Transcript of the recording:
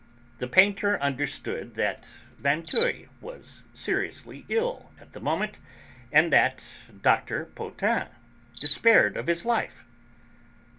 The painter understood that Vinteuil was seriously ill at the moment, and that Dr. Potain despaired of his life.